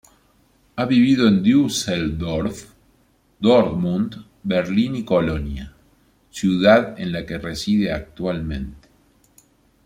Ha vivido en Düsseldorf, Dortmund, Berlín y Colonia, ciudad en la que reside actualmente.